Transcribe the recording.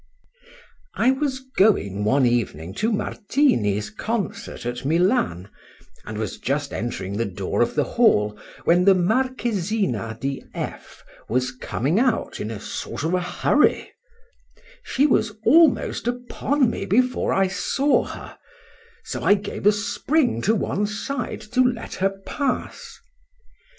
I was going one evening to Martini's concert at Milan, and, was just entering the door of the hall, when the Marquisina di F— was coming out in a sort of a hurry:—she was almost upon me before I saw her; so I gave a spring to once side to let her pass.